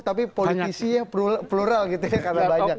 tapi politisinya plural gitu ya karena banyak